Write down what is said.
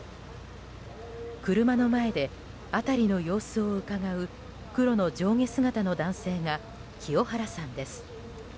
車の前で辺りの様子をうかがう黒の上下姿の男性が清原さんです。